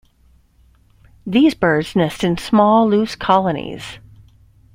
These birds nest in small loose colonies.